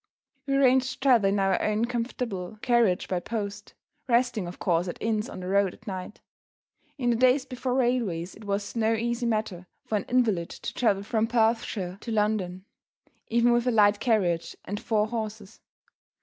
We arranged to travel in our own comfortable carriage by post resting, of course, at inns on the road at night. In the days before railways it was no easy matter for an invalid to travel from Perthshire to London even with a light carriage and four horses.